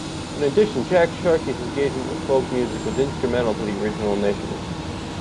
In addition Jack Sharkey's engagement with folk music was instrumental to the original initiative.